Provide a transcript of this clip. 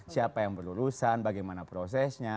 siapa yang berurusan bagaimana prosesnya